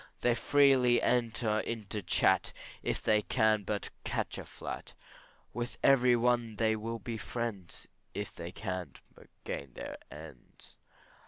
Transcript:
They freely enter into chat, If they can but catch a flat; With every one they will be friends, If they can but gain their ends.